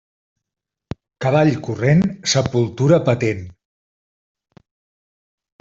Cavall corrent, sepultura patent.